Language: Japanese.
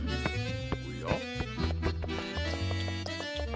おや？